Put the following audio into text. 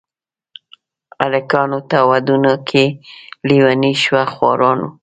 الکانو ته ودونه وکئ لېوني شوه خواران.